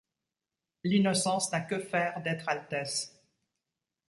L’innocence n’a que faire d’être altesse.